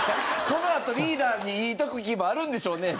このあとリーダーにいい時もあるんでしょうね？